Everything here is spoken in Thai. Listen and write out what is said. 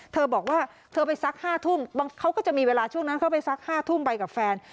เธอบอกว่าเธอไปซัก๕ทุ่มบางเขาก็จะมีเวลาช่วงนั้นเข้าไปสัก๕ทุ่มไปกับแฟน